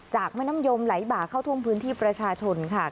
แม่น้ำยมไหลบ่าเข้าท่วมพื้นที่ประชาชนค่ะ